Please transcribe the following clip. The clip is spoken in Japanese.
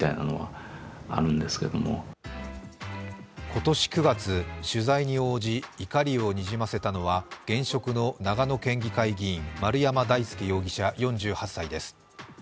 今年９月、取材に応じ、怒りをにじませたのは現職の長野県議会議員丸山大輔容疑者４８歳です。